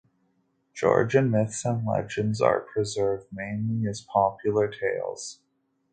Georgian myths and legends are preserved mainly as popular tales.